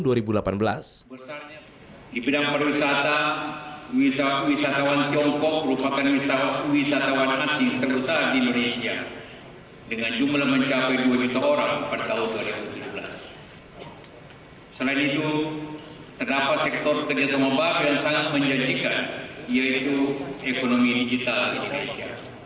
terdapat sektor kerjasama bahagia yang sangat menjanjikan yaitu ekonomi digital di indonesia